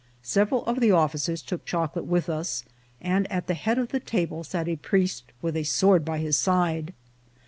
Several of the officers took chocolate with us, and at the head of the table sat a priest with a sword by his side.